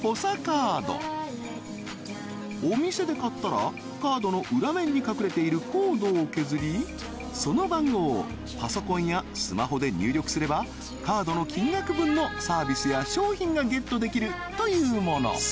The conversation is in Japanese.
カードお店で買ったらカードの裏面に隠れているコードを削りその番号をパソコンやスマホで入力すればカードの金額分のサービスや商品がゲットできるというもの